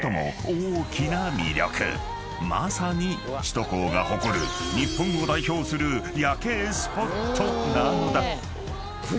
［まさに首都高が誇る日本を代表する夜景スポットなのだ］